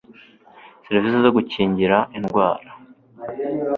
serivisi zo gukingira indwara